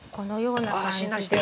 おっしんなりしてる。